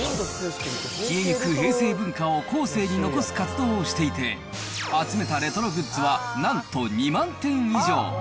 消えゆく平成文化を後世に残す活動をしていて、集めたレトログッズはなんと２万点以上。